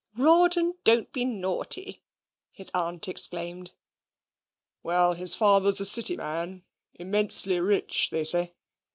"Rawdon, don't be naughty!" his aunt exclaimed. "Well, his father's a City man immensely rich, they say.